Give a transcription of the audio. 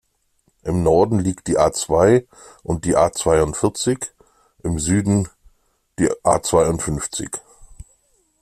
Im Norden liegen die A-zwei und die A-zweiundvierzig, im Süden die A-zweiundfünfzig.